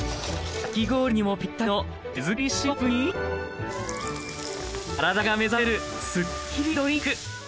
かき氷にもぴったりの手作りシロップに体が目覚めるすっきりドリンク。